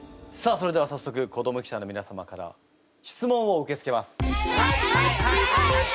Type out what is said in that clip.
それでは早速子ども記者の皆様から質問を受け付けます。